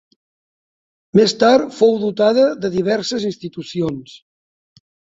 Més tard fou dotada de diverses institucions.